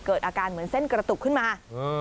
เกิดอาการเหมือนเส้นกระตุกขึ้นมา